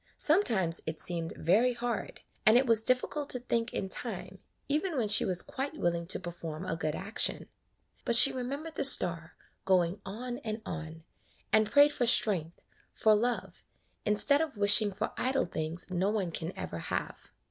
Sometimes it seemed very hard, and it was difficult to think in time, even when she was quite willing to perform a good action; but she remembered the star going on and on, and prayed for strength, for love, instead of wishing for idle things no one can ever have.